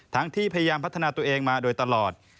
ที่พยายามพัฒนาตัวเองมาโดยตลอด